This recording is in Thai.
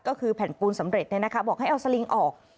ก็คือแผ่นปูนสำเร็จบอกให้เอาสลิงออก